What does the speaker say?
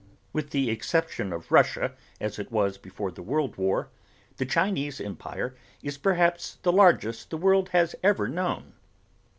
With the exception of Russia as it was before the world war, the Chinese Empire is perhaps the largest the world has ever known.